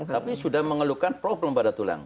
tapi sudah mengeluhkan problem pada tulang